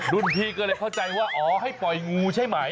พี่ก็เลยเข้าใจว่าอ๋อให้ปล่อยงูใช่ไหม